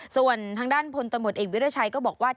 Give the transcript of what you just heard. ส่วนทางด้านพตเอกวิทยาชัยก็บอกว่า